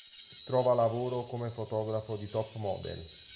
Trova lavoro come fotografo di top model.